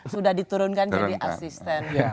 sudah diturunkan jadi asisten